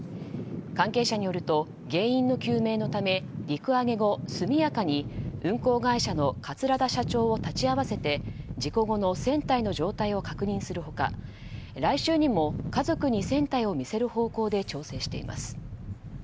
関係者によると原因の究明のため陸揚げ後、速やかに運航会社の桂田社長を立ち会わせて事故後の船体の状態を確認する他来週にも家族に船体を見せる方向で調整しています。